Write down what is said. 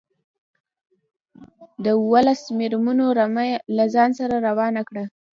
د اوولس مېرمنو رمه له ځان سره روانه کړه.